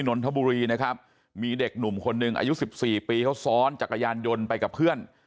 นนทบุรีนะครับมีเด็กหนุ่มคนหนึ่งอายุสิบสี่ปีเขาซ้อนจักรยานยนต์ไปกับเพื่อน